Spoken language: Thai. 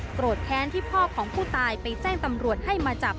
แค้นที่พ่อของผู้ตายไปแจ้งตำรวจให้มาจับ